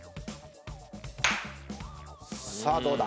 さあどうだ？